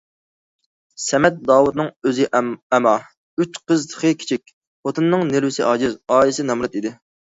سەمەت داۋۇتنىڭ ئۆزى ئەما، ئۈچ قىزى تېخى كىچىك، خوتۇنىنىڭ نېرۋىسى ئاجىز، ئائىلىسى نامرات ئىدى.